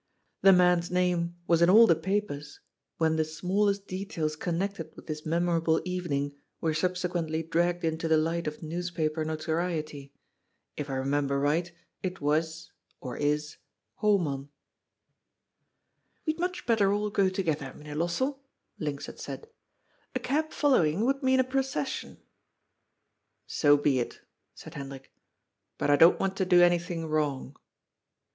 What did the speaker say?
The man's name was in all the papers when the smallest details connected with this memorable evening were subsequently dragged into the light of newspaper notoriety. If I remember right, it was — or is — Homan. " We had much better all go together, Mynheer Los 416 GOD'S POOL. V sell,'' Linx had said. ^^A cab following would mean a procession." « So be it," said Hendrik. « But I don't want to do anything wrong."